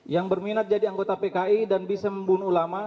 yang berminat jadi anggota pki dan bisa membunuh ulama